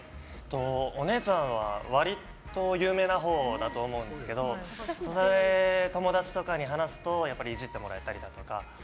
お姉ちゃんは割と有名なほうだと思うんですけどそれを友達とかに話すとイジってもらえたりとか。